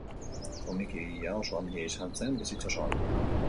Komiki egilea oso handia izan zen bizitza osoan.